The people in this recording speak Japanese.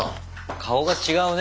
顔が違うね。